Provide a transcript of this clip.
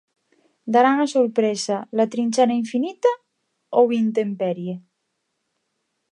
Darán a sorpresa "La Trinchera Infinita" ou "Intemperie"?